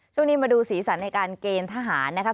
ช่วงนี้มาดูสีสันในการเกณฑ์ทหารนะครับ